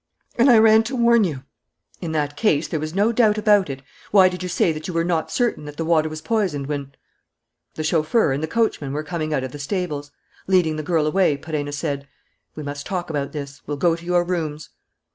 And I ran to warn you." "In that case, there was no doubt about it. Why did you say that you were not certain that the water was poisoned, when " The chauffeur and the coachman were coming out of the stables. Leading the girl away, Perenna said: "We must talk about this. We'll go to your rooms."